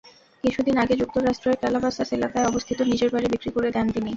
কিছুদিন আগে যুক্তরাষ্ট্রের ক্যালাবাসাস এলাকায় অবস্থিত নিজের বাড়ি বিক্রি করে দেন তিনি।